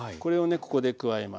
ここで加えます。